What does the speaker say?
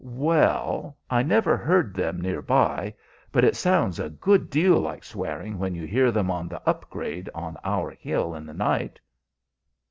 "Well, I never heard them, near by. But it sounds a good deal like swearing when you hear them on the up grade on our hill in the night.